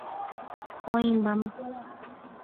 Oĩmbáma.